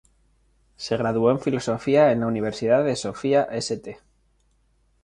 Se graduó en filosofía en la Universidad de Sofía "St.